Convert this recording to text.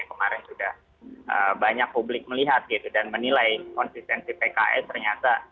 kemarin sudah banyak publik melihat gitu dan menilai konsistensi pks ternyata